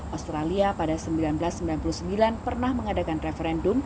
australia pada seribu sembilan ratus sembilan puluh sembilan pernah mengadakan referendum